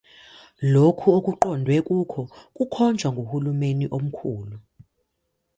Lokhu okuqondwe kukho kukhonjwa nguHulumeni Omkhulu.